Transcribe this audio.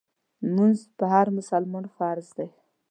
مونځ په هر مسلمان فرض دی